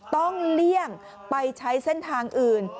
เลี่ยงไปใช้เส้นทางอื่น